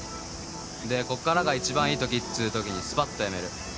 でこっからが一番いいときっつうときにすぱっとやめる。